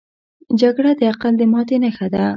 جګړه د عقل د ماتې نښه ده